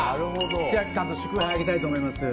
千秋さんと祝杯を挙げたいと思います。